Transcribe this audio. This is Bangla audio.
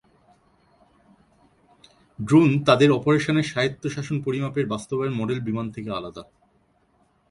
ড্রোন তাদের অপারেশনে স্বায়ত্তশাসন পরিমাপের বাস্তবায়ন মডেল বিমান থেকে আলাদা।